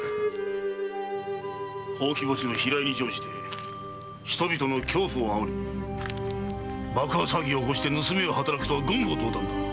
ほうき星の飛来に乗じて人々の恐怖を煽り爆破騒ぎを起こして盗みを働くとは言語道断！